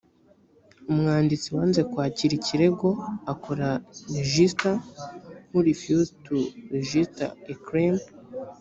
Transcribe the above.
umwanditsi wanze kwakira ikirego akora a registrar who refuses to register a claim